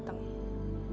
makanya aku datang